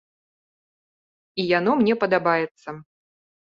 І яно мне падабаецца.